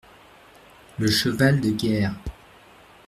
Le cheval de guerre.